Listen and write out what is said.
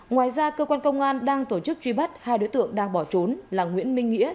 ngoài ra cơ quan công an đang tổ chức truy bắt hai đối tượng đang bỏ trốn là nguyễn minh nghĩa